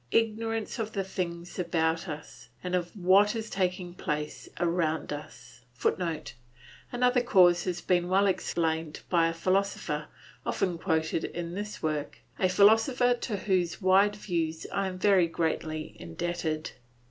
Ignorance of the things about us, and of what is taking place around us. [Footnote: Another cause has been well explained by a philosopher, often quoted in this work, a philosopher to whose wide views I am very greatly indebted.